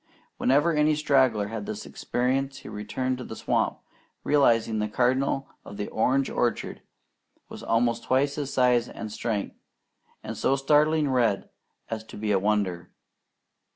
Whenever any straggler had this experience, he returned to the swamp realizing that the Cardinal of the orange orchard was almost twice his size and strength, and so startlingly red as to be a wonder.